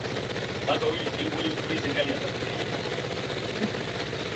elimu miundo mbinu na ushirikiano wa kimataifa